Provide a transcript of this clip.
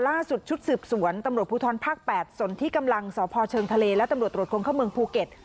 ชุดสืบสวนตำรวจภูทรภาค๘ส่วนที่กำลังสพเชิงทะเลและตำรวจตรวจคนเข้าเมืองภูเก็ต